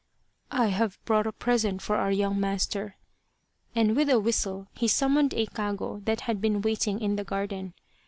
" I have brought a present for our young master," and with a whistle, he summoned a kago that had been waiting in the garden.